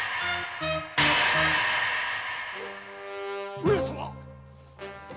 上様！